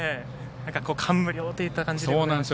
感無量といった感じでしょうか。